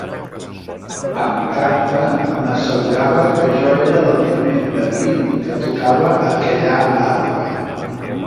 Amb tacte m'assegurava que jo era el primer David que tocava aquella arpa.